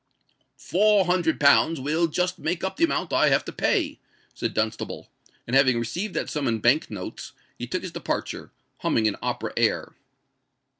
"Four hundred pounds will just make up the amount I have to pay," said Dunstable; and having received that sum in Bank notes, he took his departure, humming an opera air.